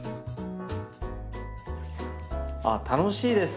あっ楽しいです。